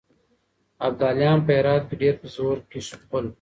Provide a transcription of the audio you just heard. ابدالیان په هرات کې ډېر په زور کې شول.